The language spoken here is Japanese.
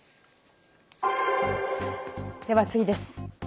では、次です。